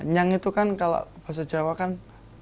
nyang itu kan kalau bahasa jawa kan